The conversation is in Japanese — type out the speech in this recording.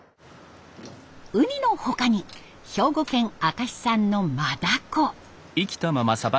ウニの他に兵庫県明石産のマダコ。